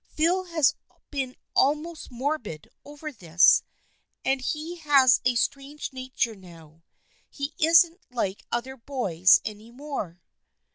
Phil has been al most morbid over this, and he has a strange nature now. He isn't like other boys any more."